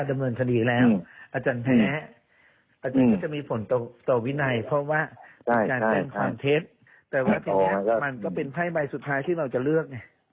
มันก็เป็นไพ่ใบสุดท้ายที่เราจะเลือก